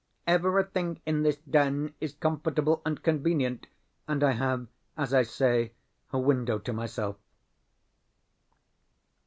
Everything in this den is comfortable and convenient, and I have, as I say, a window to myself.